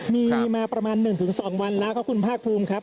มีมาประมาณ๑๒วันแล้วครับคุณภาคภูมิครับ